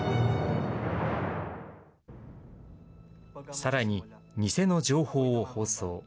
さらに、偽の情報を放送。